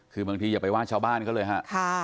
คือบางทีอย่าไปว่าชาวบ้านเขาเลยฮะ